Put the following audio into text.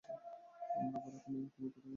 আমার ঘোড়াকে নিয়ে তুমি কোথায় যাচ্ছো?